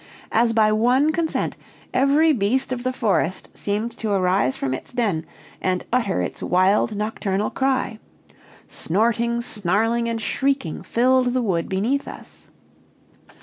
As by one consent, every beast of the forest seemed to arise from its den, and utter its wild nocturnal cry. Snorting, snarling, and shrieking filled the wood beneath us.